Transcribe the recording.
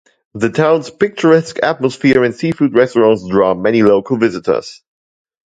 The town's picturesque atmosphere and seafood restaurants draw many local visitors.